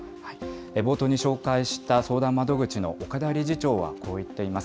冒頭に紹介した相談窓口の岡田理事長はこう言っています。